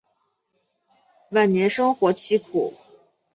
晚年生活凄苦。